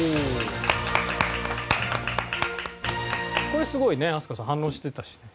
これすごいね飛鳥さん反応してたしね。